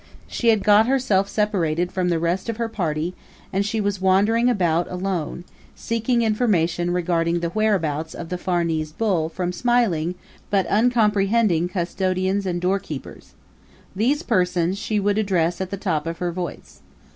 She had got herself separated from the rest of her party and she was wandering along about alone, seeking information regarding the whereabouts of the Farnese Bull from smiling but uncomprehending custodians and doorkeepers. These persons she would address at the top of her voice.